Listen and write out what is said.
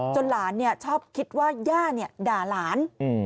หลานชอบคิดว่าย่าด่าหลาน